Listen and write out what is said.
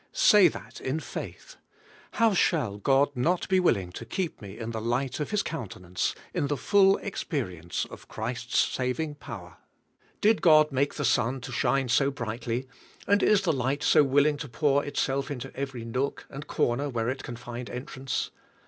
Say that in faith. "How shall God not be willing to keep me in the light of His countenance, in the full experience of Christ's saving power? Did God make the sun to shine so brightly, and is the light so willing to pour itself into every nook and corner where it can find entrance?